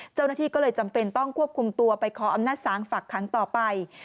เจ้าหน้าที่ก็เลยจำเป็นต้องควบคุมตัวไปขออำนาจศาลฝักขังต่อไป